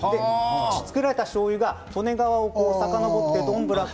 造られたしょうゆが利根川をさかのぼってどんぶらこ